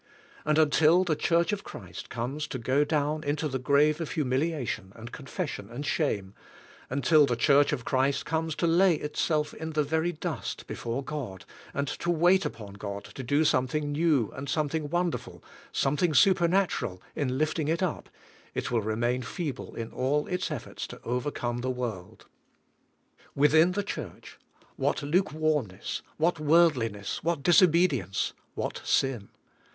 And until the Church of Christ comes to go down into the grave of humiliation, and confession, and shame ; until the Church of Christ comes to lay itself in the very dust before God, and to wait upon God to do something new, and something won derful, something supernatural, in lifting it up, it will remain feeble in all its efforts to overcome the world. Within the Church what lukewarmness, what worldliness, what disobedience, what sin!